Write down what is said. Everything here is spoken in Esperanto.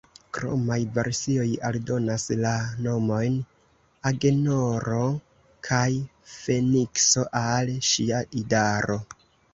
Kromaj versioj aldonas la nomojn Agenoro kaj Fenikso al ŝia idaro.